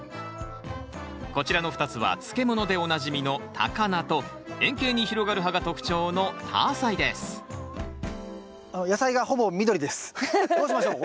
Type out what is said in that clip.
こちらの２つは漬物でおなじみのタカナと円形に広がる葉が特徴のタアサイですどうしましょう？